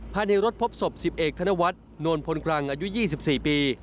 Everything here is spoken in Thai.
ภายในรถพบศพ๑๑ธนวัฒน์นวลพลกรังอายุ๒๔ปี